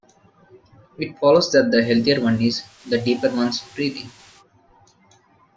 It follows that the healthier one is, the deeper one's breathing.